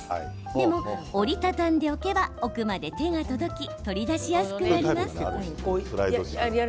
でも、折り畳んでおけば奥まで手が届き取り出しやすくなります。